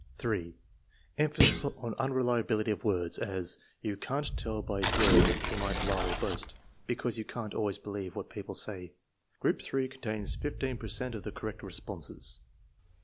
(3) Emphasis on unreliability of words; as: "You can't tell by his words, he might lie or boast." "Because you can't always believe what people say." (Group (3) contains 15 per cent of the correct responses.